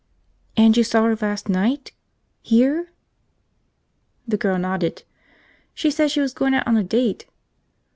"And you saw her last night? Here?" The girl nodded. "She said she was goin' out on a date."